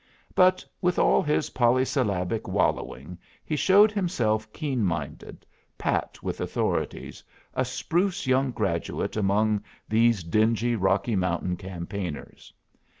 But with all his polysyllabic wallowing, he showed himself keen minded, pat with authorities, a spruce young graduate among these dingy Rocky Mountain campaigners.